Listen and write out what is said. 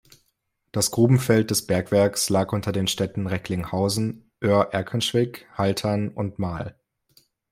Das Grubenfeld des Bergwerks lag unter den Städten Recklinghausen, Oer-Erkenschwick, Haltern und Marl.